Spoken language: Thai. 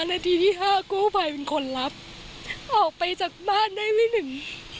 นาทีที่ห้ากู้ภัยเป็นคนรับออกไปจากบ้านได้ไม่ถึง